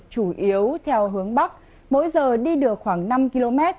chủ yếu theo hướng bắc mỗi giờ đi được khoảng năm km